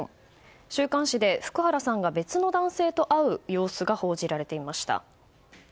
週刊誌で福原さんが別の男性と会う様子が報じられていました。